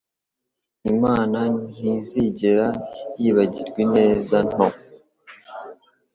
Imana ntizigera yibagirwa ineza nto.